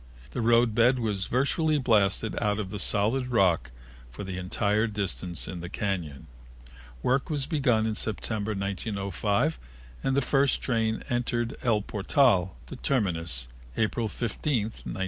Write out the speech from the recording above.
The roadbed was virtually blasted out of the solid rock for the entire distance in the cañon. Work was begun in September, 1905, and the first train entered El Portal, the terminus, April 15, 1907.